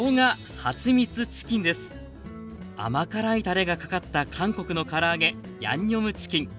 甘辛いタレがかかった韓国のから揚げヤンニョムチキン。